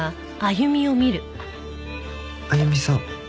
歩さん。